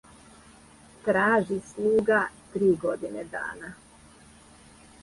Тражи слуга три године дана,